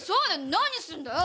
何すんだよ。